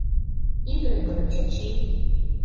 — Ит ойгыро, Чачи.